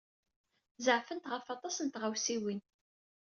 Zeɛfent ɣef aṭas n tɣawsiwin.